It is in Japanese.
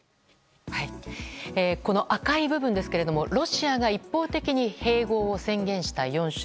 この赤い部分ですがロシアが一方的に併合を宣言した４州。